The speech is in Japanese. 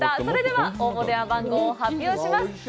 それでは応募電話番号を発表します。